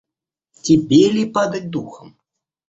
Тебе ли падать духом!